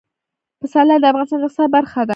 پسرلی د افغانستان د اقتصاد برخه ده.